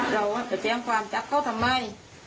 เราจะแจ้งความจับเขาทำไม